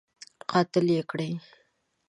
قتل یې کړی.